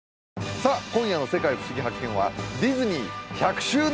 さあ今夜の「世界ふしぎ発見！」はディズニー１００周年